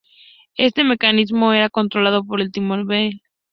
Este mecanismo era controlado por el timonel.